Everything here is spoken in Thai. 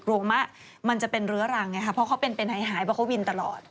มะมันจะเป็นเรื้อรังไงค่ะเพราะเขาเป็นหายเพราะเขาวินตลอด